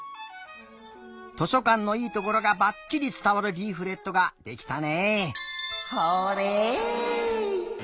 図書かんのいいところがばっちりつたわるリーフレットができたね。